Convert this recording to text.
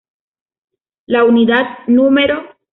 La Unidad No.